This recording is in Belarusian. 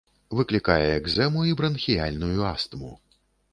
Выклікае экзэму і бранхіяльную астму.